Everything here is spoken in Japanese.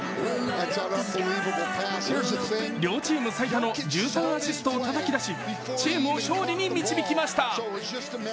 両チーム最多の１３アシストをたたき出しチームを勝利に導きました。